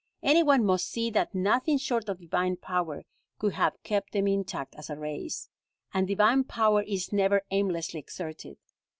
Any one must see that nothing short of Divine power could have kept them intact as a race, and Divine power is never aimlessly exerted.